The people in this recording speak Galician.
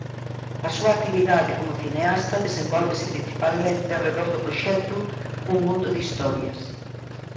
A súa actividade como cineasta desenvólvese principalmente arredor do proxecto "Un mundo de historias".